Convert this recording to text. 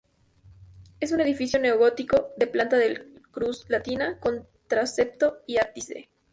Es un edificio neogótico de planta de cruz latina, con transepto y ábside.